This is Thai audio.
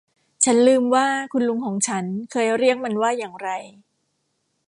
ฉันลืมว่าคุณลุงของฉันเคยเรียกมันว่าอย่างไร